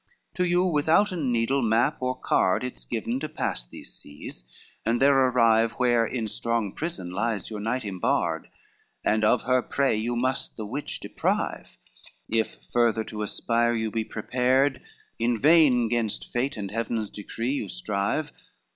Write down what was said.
XL "To you withouten needle, map or card It's given to pass these seas, and there arrive Where in strong prison lies your knight imbarred, And of her prey you must the witch deprive: If further to aspire you be prepared, In vain gainst fate and Heaven's decree you strive."